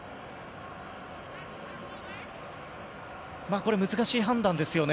これ難しい判断ですよね。